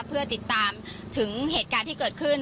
เพื่อติดตามถึงเหตุการณ์ที่เกิดขึ้น